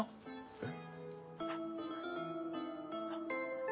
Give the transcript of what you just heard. えっ